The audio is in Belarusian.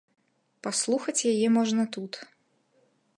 Паслухаць яе можна тут.